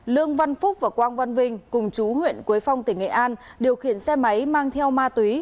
lương văn phúc và quang văn vinh cùng chú huyện quế phong tỉnh nghệ an điều khiển xe máy mang theo ma túy